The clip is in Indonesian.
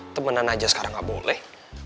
temenan aja sekarang nggak boleh